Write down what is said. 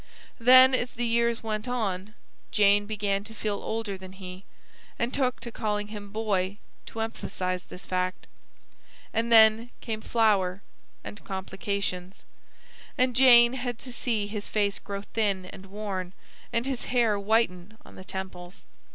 Then, as the years went on, Jane began to feel older than he, and took to calling him "Boy" to emphasise this fact. And then came Flower; and complications. And Jane had to see his face grow thin and worn, and his hair whiten on the temples.